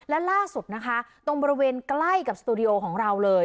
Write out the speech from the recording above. และล่าสุดนะคะตรงบริเวณใกล้กับสตูดิโอของเราเลย